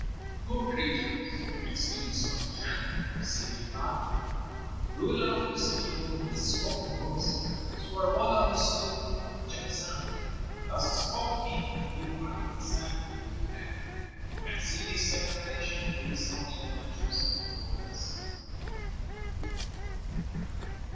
"Poor creatures!" exclaimed the Son of the Chan. Ssidi replied, "Ruler of Destiny, thou hast spoken words: Ssarwala missdood jakzank!" Thus spoke he, and flew out of the sack through the air. And Ssidi's second relation treats of the adventures of the Poor Man's Son.